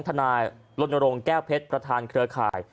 ธนาสศ์ลดนโรงแก้เพชรประธานเครือข่าย